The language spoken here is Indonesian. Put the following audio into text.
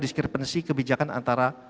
diskrepensi kebijakan antara